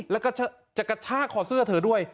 แล้วก็จะกระชากคอเสื้อเธอด้วย